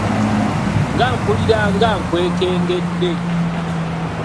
Nga mpulira nga nkwekengedde!